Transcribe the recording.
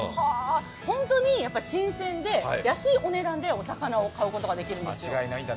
本当に新鮮で安いお値段でお魚を買うことができるんですよ。